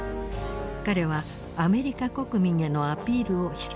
彼はアメリカ国民へのアピールを必要としていた。